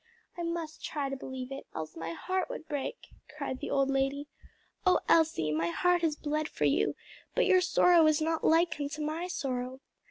"I must try to believe it, else my heart would break!" cried the old lady. "O Elsie, my heart has bled for you, but your sorrow is not like unto my sorrow!